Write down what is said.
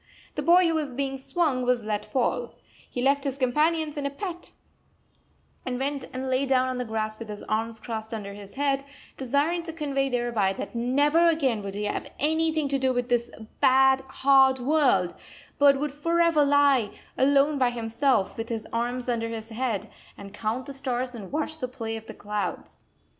The boy who was being swung was let fall. He left his companions in a pet, and went and lay down on the grass with his arms crossed under his head, desiring to convey thereby that never again would he have anything to do with this bad, hard world, but would forever lie, alone by himself, with his arms under his head, and count the stars and watch the play of the clouds.